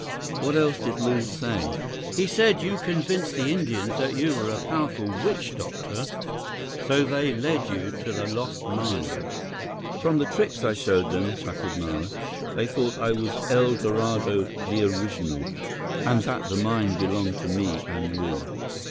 "What else did Lew say?" "He said you convinced the Indians that you were a powerful witch doctor, so they led you to the lost mine." "From the tricks I showed them," chuckled Nara, "they thought I was El Dorado the Original, and that the mine belonged to me and Lew.